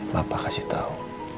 papa kasih tau